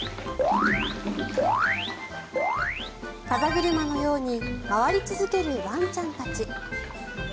風車のように回り続けるワンちゃんたち。